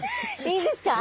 いいですか？